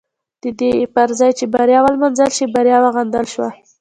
د دې پر ځای چې بریا ونمانځل شي بریا وغندل شوه.